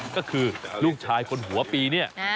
ก็คือลูกชายคนหัวปีเนี่ย